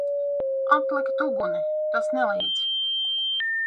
Atlikt uguni! Tas nelīdz.